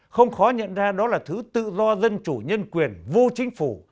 không khó nhận ra đó là thứ tự do dân chủ nhân quyền vô chính phủ